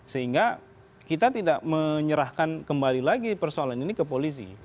sehingga kita tidak menyerahkan kembali lagi persoalan ini ke polisi